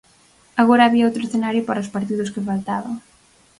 Agora había outro escenario para os partidos que faltaban.